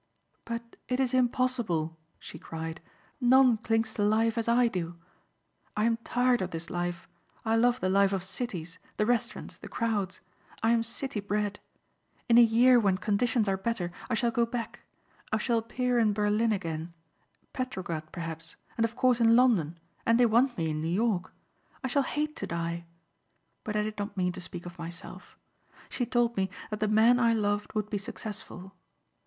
"But it is impossible," she cried. "None clings to life as I do. I am tired of this life. I love the life of cities, the restaurants, the crowds. I am city bred. In a year when conditions are better I shall go back. I shall appear in Berlin again, Petrograd, perhaps and of course in London and they want me in New York. I shall hate to die. But I did not mean to speak of myself. She told me that the man I loved would be successful.